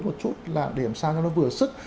một chút là để làm sao cho nó vừa sức